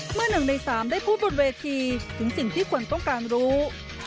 เมื่อ๑ใน๓ได้พูดบนเวทีถึงสิ่งที่คนต้องการรู้